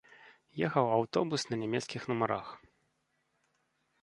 Ехаў аўтобус на нямецкіх нумарах.